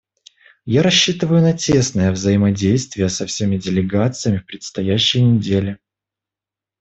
Я рассчитываю на тесное взаимодействие со всеми делегациями в предстоящие недели.